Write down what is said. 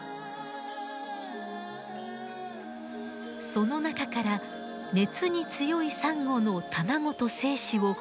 その中から熱に強いサンゴの卵と精子を根気強く採取します。